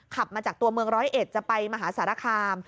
ขับมาจากตัวเมืองร้อยเอ็ดจะไปมหาสารคาม